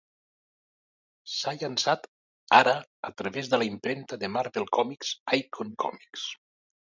S'ha llançat, ara, a través de la impremta de Marvel Comics Icon Comics.